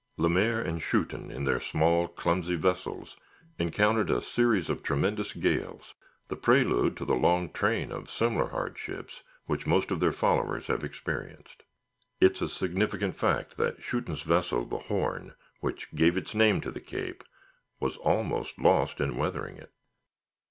Le Mair and Schouten, in their small, clumsy vessels, encountered a series of tremendous gales, the prelude to the long train of similar hardships which most of their followers have experienced. It is a significant fact, that Schouten's vessel, the Horne, which gave its name to the Cape, was almost lost in weathering it.